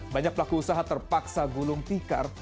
banyak pelaku usaha terpaksa gulung tikar